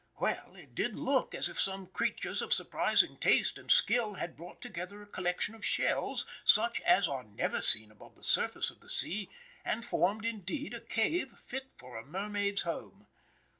Well, it did look as if some creatures of surprising taste and skill had brought together a collection of shells such as are never seen above the surface of the sea, and formed, indeed, a cave fit for a mermaid's home.